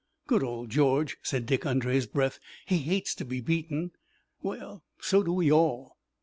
"Good old George," said Dick, under his breath. "He hates to be beaten well, so do we all."